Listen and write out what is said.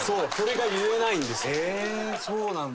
へえそうなんだ。